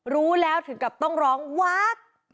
รู้แล้วถึงกับต้องร้องวัก